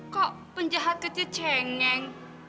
kok penjahat kecil cengeng